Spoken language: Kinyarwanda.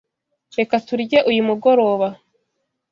Reka turye uyu mugoroba.